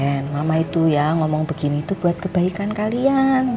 keren mama itu ya ngomong begini buat kebaikan kalian